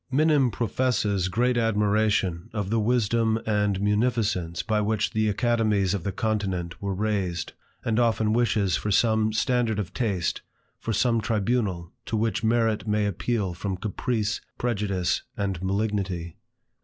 Minim professes great admiration of the wisdom and munificence by which the academies of the continent were raised; and often wishes for some standard of taste, for some tribunal, to which merit may appeal from caprice, prejudice, and malignity.